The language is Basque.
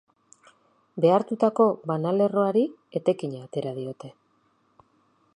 Behartutako banalerroari etekina atera diote.